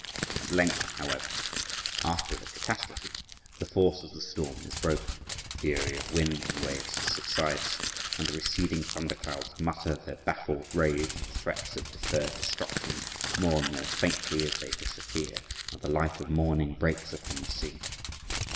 At length, however, after the catastrophe, the force of the storm is broken, the fury of wind and waves subsides, and the receding thunder clouds mutter their baffled rage and threats of deferred destruction more and more faintly as they disappear, and the light of morning breaks upon the scene.